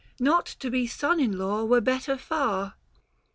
450 Not to be son in law were better far."